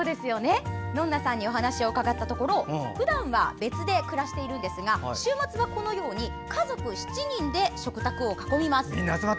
ノンナさんにお話を伺ったところふだんは別で暮らしていますが週末は家族７人で食卓を囲みます。